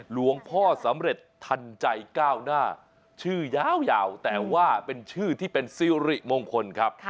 หลวงพ่อสำเร็จทันใจก้าวหน้าชื่อยาวแต่ว่าเป็นชื่อที่เป็นซิริมงคลครับ